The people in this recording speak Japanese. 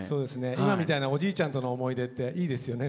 今みたいなおじいちゃんとの思い出っていいですよね。